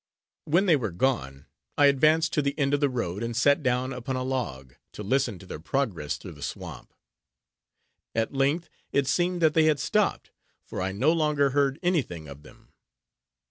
When they were gone, I advanced to the end of the road, and sat down upon a log, to listen to their progress through the swamp. At length, it seemed that they had stopped, for I no longer heard any thing of them.